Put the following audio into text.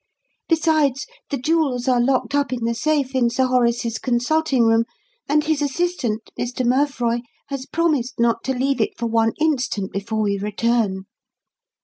Besides, the jewels are locked up in the safe in Sir Horace's consulting room, and his assistant, Mr. Merfroy, has promised not to leave it for one instant before we return."